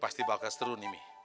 pasti bakal seterun nih mi